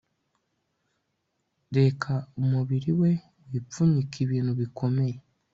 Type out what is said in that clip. Reka umubiri we wipfunyike ibintu bikomeye